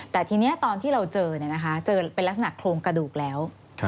แต่ทีนี้ตอนที่เราเจอเจอเป็นลักษณะโครงกระดูกแล้ว